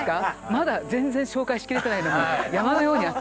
まだ全然紹介しきれてないのが山のようにあって。